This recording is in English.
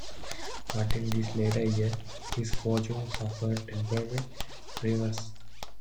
But in this latter year his fortunes suffered a temporary reverse.